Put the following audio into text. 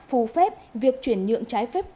phù phép việc chuyển nhượng trái phép